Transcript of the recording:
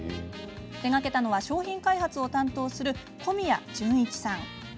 手がけたのは商品開発を担当する小宮潤一さん。